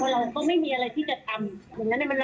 เพราะว่ามันก็ประสบปัญหาเดียวกันให้เขานึกว่าเราก็เจอเหมือนกัน